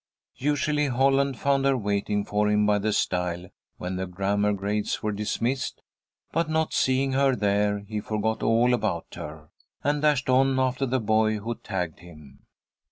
Usually, Holland found her waiting for him by the stile when the grammar grades were dismissed, but not seeing her there, he forgot all about her, and dashed on after the boy who tagged him.